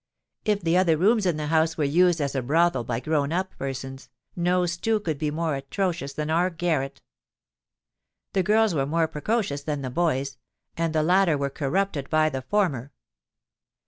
If the other rooms in the house were used as a brothel by grown up persons, no stew could be more atrocious than our garret. The girls were more precocious than the boys, and the latter were corrupted by the former.